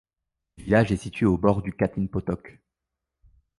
Le village est situé au bord du Katin potok.